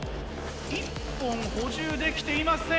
１本補充できていません。